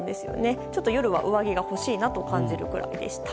夜は、上着が欲しいなと感じるぐらいでした。